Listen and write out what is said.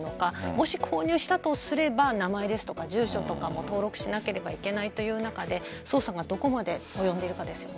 もし購入したとすれば名前ですとか住所とかも登録しなければいけないという中で捜査がどこまで及んでいるかですよね。